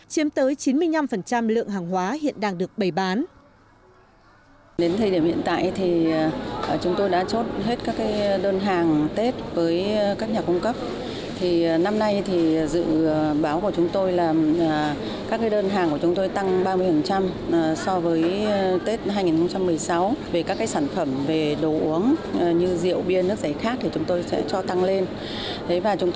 chiếm tới chín mươi năm lượng hàng hóa hiện đang được bày bán